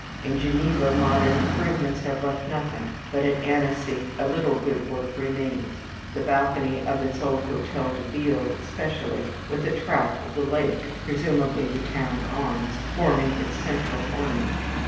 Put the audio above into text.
At Geneva, modern improvements have left nothing; but at Annecy, a little good work remains; the balcony of its old hôtel de ville especially, with a trout of the lake presumably the town arms forming its central ornament.